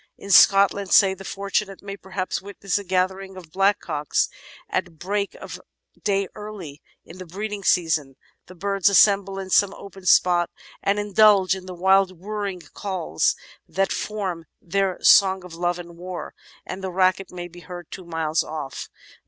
In Scot land, say, the fortunate may perhaps witness a gathering of blackcocks at break of day early in the breeding season. The birds assemble in some open spot and indulge in the wild whirring calls that form their song of love and war, and the racket may be heard two miles off.